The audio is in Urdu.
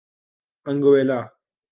انگوئیلا